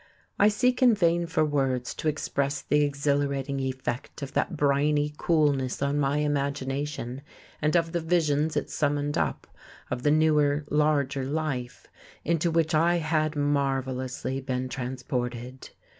I seek in vain for words to express the exhilarating effect of that briny coolness on my imagination, and of the visions it summoned up of the newer, larger life into which I had marvellously been transported.